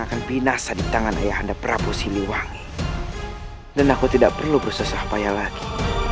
akan binasa di tangan ayah anda prabu siliwangi dan aku tidak perlu bersusah payah lagi